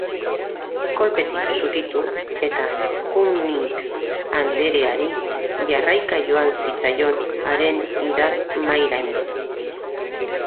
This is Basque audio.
Kolpetik zutitu, eta Cummings andereari jarraika joan zitzaion haren idazmahairaino.